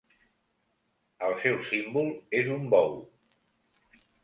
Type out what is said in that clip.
El seu símbol és un bou.